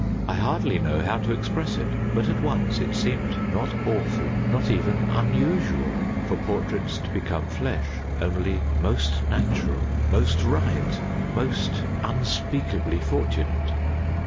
I hardly know how to express it, but at once it seemed not awful not even unusual for portraits to become flesh only most natural, most right, most unspeakably fortunate.